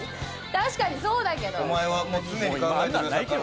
確かにそうだけど。